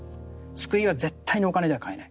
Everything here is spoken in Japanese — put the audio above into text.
救いは絶対にお金じゃ買えない。